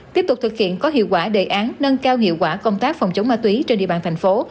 tiếp tục thực hiện có hiệu quả đề án nâng cao hiệu quả công tác phòng chống ma túy trên địa bàn thành phố